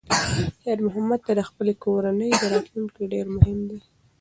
خیر محمد ته د خپلې کورنۍ راتلونکی ډېر مهم دی.